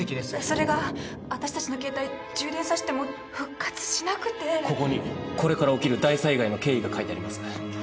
それが私達の携帯充電さしても復活しなくてここにこれから起きる大災害の経緯が書いてあります